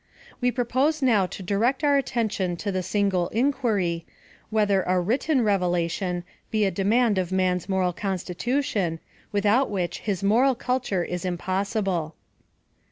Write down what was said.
We propose now to direct our attention to the single inquiry, Whether a Written Revelation be a demand of man's moral PLAN OF SALVATION. constitution, without which his moral culture is impossible.